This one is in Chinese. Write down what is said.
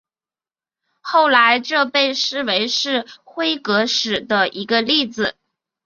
后来这被视为是辉格史的一个例子。